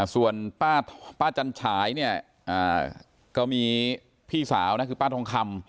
ส่วนป้าจันฉายเนี่ยก็มีพี่สาวนะคือป้าทองคำ